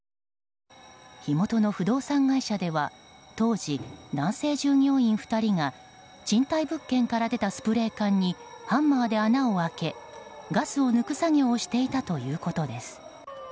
火元の不動産会社では当時、男性従業員２人が賃貸物件から出たスプレー缶にハンマーで穴を開けガスを抜く作業をしていたということです。